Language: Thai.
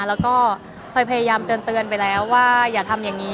แล้วก็เคยพยายามเตือนไปแล้วว่าอย่าทำอย่างนี้